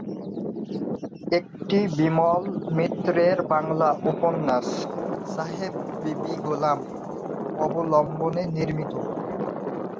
এটি বিমল মিত্রের বাংলা উপন্যাস "সাহেব বিবি গোলাম" অবলম্বনে নির্মিত।